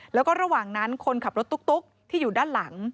แล้วก็ระหว่างนั้นคนขับรถตุ๊กที่อยู่ด้านหลัง